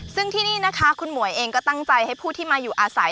ซึ่งที่นี่นะคะคุณหมวยเองก็ตั้งใจให้ผู้ที่มาอยู่อาศัย